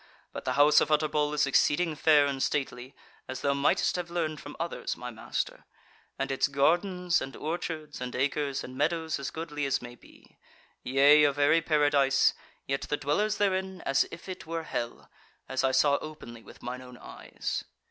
But the House of Utterbol is exceeding fair and stately (as thou mightest have learned from others, my master,) and its gardens, and orchards, and acres, and meadows as goodly as may be. Yea, a very paradise; yet the dwellers therein as if it were hell, as I saw openly with mine own eyes.